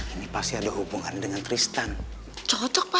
ini pasti ada hubungan dengan trista ya